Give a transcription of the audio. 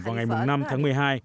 vào ngày mùng năm tháng một mươi hai